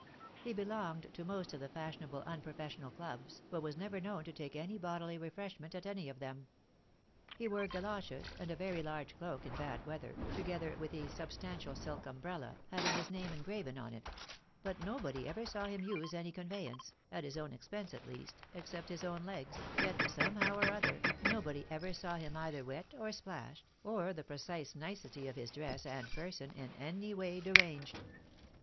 He be longed to most of the fashionable unprofessional clubs, but was never known to take any bodily refreshment at any of them. He wore goloshes and a very large cloak in bad weather, together with a substantial silk umbrella, having his name engraven on it ; but nobody ever saw him use any conveyance (at his owa expense, at least) except his own legs, yet somehow or other, nobody ever saw him either wet or splashed, or the precise nicety of his dress and person in any way deranged.